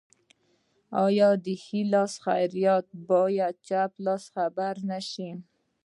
آیا د ښي لاس خیرات باید چپ لاس خبر نشي؟